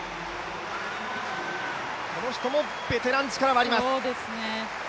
この人もベテラン、力はあります。